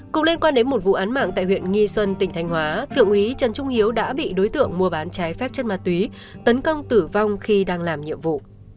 cũng liên quan đến một vụ án mạng tại huyện nghi xuân tỉnh thanh hóa thượng úy trần trung hiếu đã bị đối tượng mua bán trái phép chất ma túy tấn công tử vong khi đang làm nhiệm vụ